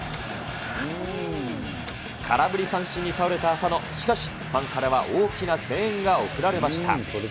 空振り三振に倒れた浅野、しかし、ファンからは、大きな声援が送られました。